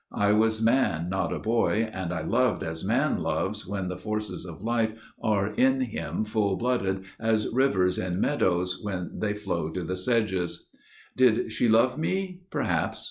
I was man, not a boy, and I loved as man loves When the forces of life are in him full flooded As rivers in meadows, when they flow to the sedges. Did she love me? Perhaps.